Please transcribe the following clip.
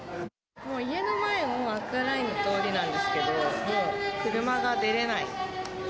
もう家の前もアクアラインの通りなんですけど、もう車が出れない。